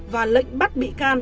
và lệnh bắt bị can